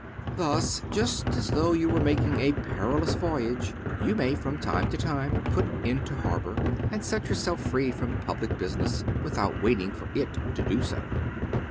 Thus, Just as though you were making a perilous voyage, you may from time to time put into harbour, and set yourself free from public business without waiting for it to do so.